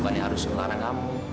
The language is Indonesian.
kasih aku suami kayak kamu